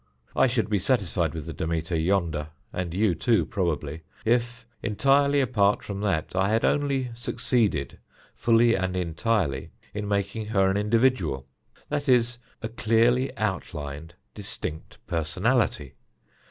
"I should be satisfied with the Demeter yonder, and you, too, probably, if entirely apart from that I had only succeeded fully and entirely in making her an individual that is, a clearly outlined, distinct personality.